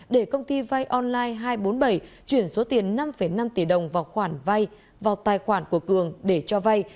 để công ty vai online hai trăm bốn mươi bảy chuyển số tiền năm năm tỷ đồng vào khoản vai vào tài khoản của cường để cho vai